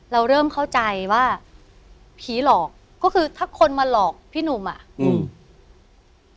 เราเริ่มเข้าใจว่าผีหลอกก็คือถ้าคนมาหลอกพี่หนุ่มอ่ะอืม